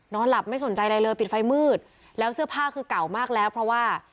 หลับไม่สนใจอะไรเลยปิดไฟมืดแล้วเสื้อผ้าคือเก่ามากแล้วเพราะว่า